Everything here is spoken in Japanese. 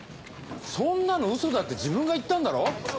そんなのウソだって自分が言ったんだろ。